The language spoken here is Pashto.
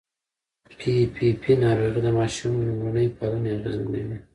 پي پي پي ناروغي د ماشوم لومړني پالنې اغېزمنوي.